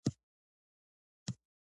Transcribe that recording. زوی مي درس نه وايي.